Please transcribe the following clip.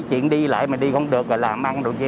chuyện đi lại mà đi không được là làm ăn đồ chi